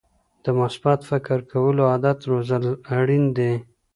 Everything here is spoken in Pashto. د مثبت فکر کولو عادت روزل اړین دي.